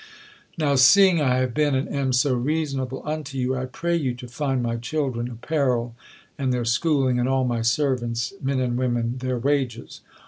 "Now seeing I have been, and am, so reasonable unto you, I pray you to find my children apparel, and their schooling, and all my servants, men and women, their wages.